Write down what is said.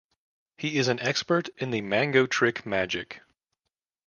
He is an expert in the "Mango Trick" magic.